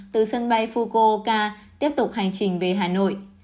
từ sân bay fukoka tiếp tục hành trình về hà nội